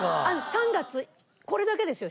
３月これだけですよ